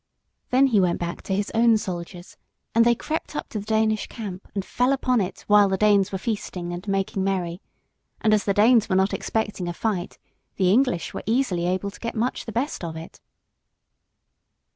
Then he went back to his own soldiers, and they crept up to the Danish camp and fell upon it while the Danes were feasting and making merry, and as the Danes were not expecting a fight, the English were easily able to get much the best of it.